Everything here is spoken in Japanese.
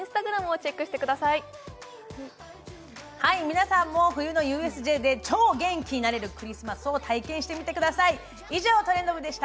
皆さんも冬のＵＳＪで超元気になれるクリスマスを体験してみてください。